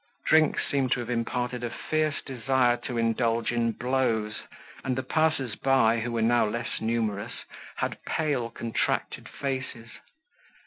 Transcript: Drink seemed to have imparted a fierce desire to indulge in blows, and the passers by, who were now less numerous, had pale contracted faces.